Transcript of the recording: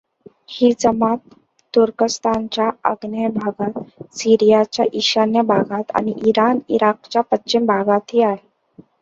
ही जमात तुर्कस्थानच्या आग्नेय भागात, सीरियाच्या ईशान्य भागात आणि इराण इराकच्या पश्चिम भागातही आहे.